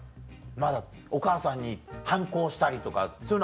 まだお母さんに反抗したりとかそういうのは。